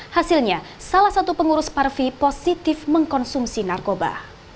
hasilnya salah satu pengurus parvi positif mengkonsumsi narkoba